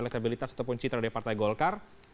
elektabilitas ataupun citra dari partai golkar